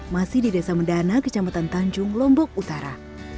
masih di desa mendana kecamatan tanjung lombok utara